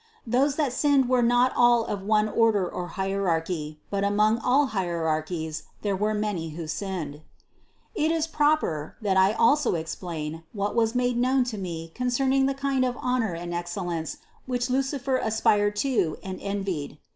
Those that sinned were not all of one order or hierarchy, but among all hierarchies there were many who sinned. 87. It is proper, that 1 also explain what was made known to me concerning the kind of honor and excel lence, which Lucifer aspired to and envied.